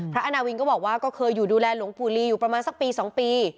อาณาวินก็บอกว่าก็เคยอยู่ดูแลหลวงปู่ลีอยู่ประมาณสักปี๒ปี